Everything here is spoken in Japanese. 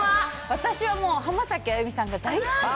私はもう浜崎あゆみさんが大好きで。